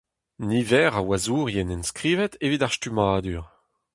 Niver ar wazourien enskrivet evit ar stummadur.